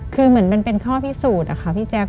คือเหมือนมันเป็นข้อพิสูจน์อะค่ะพี่แจ๊ค